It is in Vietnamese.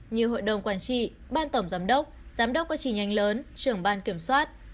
như hội đồng quản trị ban tổng giám đốc giám đốc quá trì nhanh lớn trưởng ban kiểm soát